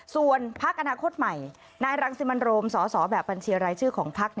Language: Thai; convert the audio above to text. ส่วนพักอนาคตใหม่นายรังสิมันโรมสสแบบบัญชีรายชื่อของพัก